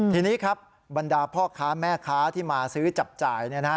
ทีนี้ครับบรรดาพ่อค้าแม่ค้าที่มาซื้อจับจ่าย